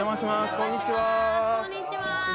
こんにちは。